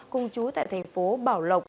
cùng chú tại thành phố bảo lộc